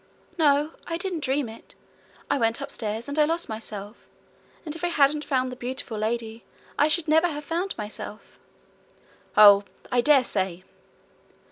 'No, I didn't dream it. I went upstairs, and I lost myself, and if I hadn't found the beautiful lady, I should never have found myself.' 'Oh, I dare say!'